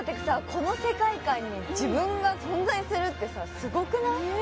この世界観に自分が存在するってさすごくない？